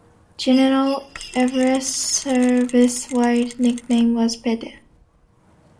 General Everest's service-wide nickname was "Pete".